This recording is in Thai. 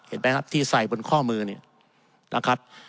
เห็นไหมครับที่ใส่บนข้อมือเนี่ยนะครับ